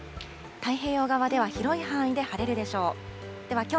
太平洋側では広い範囲で晴れるでしょう。